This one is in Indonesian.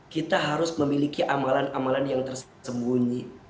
kita harus memiliki amalan amalan yang tersembunyi